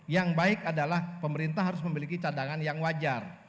yang baik adalah pemerintah harus memiliki cadangan yang wajar